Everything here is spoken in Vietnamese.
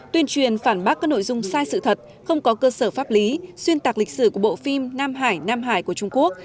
tuyên truyền phản bác các nội dung sai sự thật không có cơ sở pháp lý xuyên tạc lịch sử của bộ phim nam hải nam hải của trung quốc